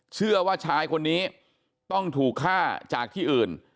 เชื่อว่าชายคนนี้ต้องถูกฆ่าจากที่อื่น